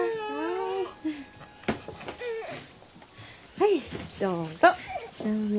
はいどうぞ。